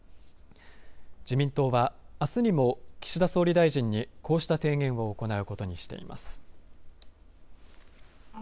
自民党はあすにも岸田総理大臣にこうした提言を行うことにしています。